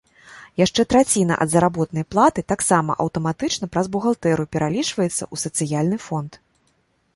Яшчэ траціна ад заработнай платы таксама аўтаматычна праз бухгалтэрыю пералічваецца ў сацыяльны фонд.